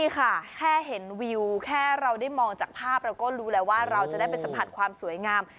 นี่ค่ะแค่เห็นวิวแค่เราได้มองจากภาพเราก็รู้แล้วว่าเราจะได้ไปสัมผัสความสวยงาม